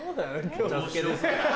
お茶漬けでも。